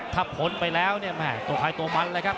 เมื่อที่หมดไปแล้วเนี่ยตัวคลายตัวมันเลยครับ